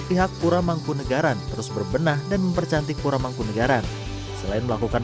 pihak pura mangkunagaran terus berbenah dan mempercantik pura mangkunegaran selain melakukan